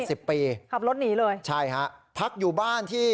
สิบปีขับรถหนีเลยใช่ฮะพักอยู่บ้านที่